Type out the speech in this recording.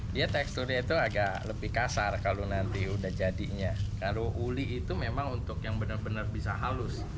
dia teksturnya itu agak lebih kasar kalau nanti udah jadinya kalau uli itu memang untuk yang benar benar bisa halus